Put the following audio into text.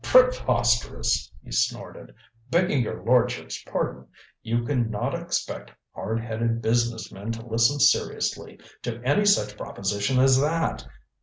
"Preposterous," he snorted. "Begging your lordship's pardon, you can not expect hard headed business men to listen seriously to any such proposition as that.